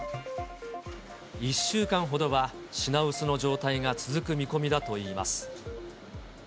１週間ほどは品薄の状態が続く見込みだといいます。